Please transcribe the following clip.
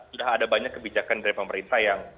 sudah ada banyak kebijakan dari pemerintah yang